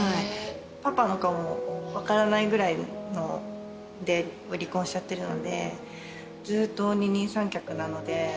パパの顔も分からないぐらいで離婚しちゃってるので、ずっと二人三脚なので。